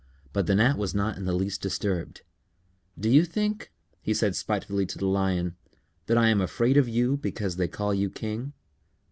But the Gnat was not in the least disturbed. "Do you think," he said spitefully to the Lion, "that I am afraid of you because they call you king?"